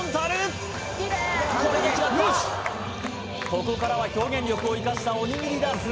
ここからは表現力を生かしたおにぎりダンス